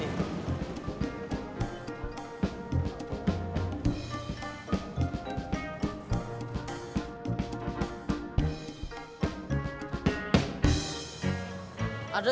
aduh lama banget sih